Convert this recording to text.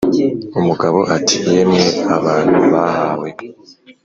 Umugabo ati yemwe abantu baha we,